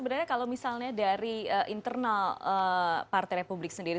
dari internal partai republik sendiri